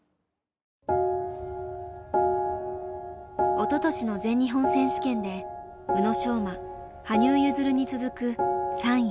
おととしの全日本選手権で宇野昌磨羽生結弦に続く３位。